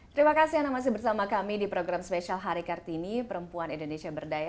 terima kasih anda masih bersama kami di program spesial hari kartini perempuan indonesia berdaya